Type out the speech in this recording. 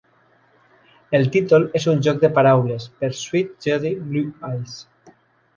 El títol és un joc de paraules per "Sweet Judy Blue Eyes".